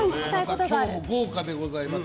今日も豪華でございます。